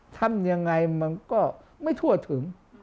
ทำยังไงมันก็ไม่ทั่วถึง